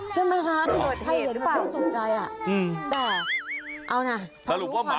คือมันเล่นจนเหนื่อยแล้วอย่าเพราะละ